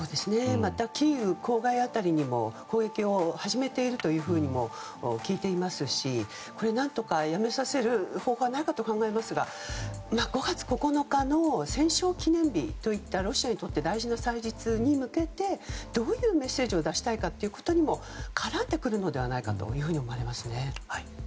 またキーウ郊外辺りにも攻撃を始めていると聞いていますし何とかやめさせる方法はないかと考えますが５月９日の戦勝記念日といったロシアにとって大事な祭日に向けてどういうメッセージを出したいかということにも絡んでくるのではないかと思われますね。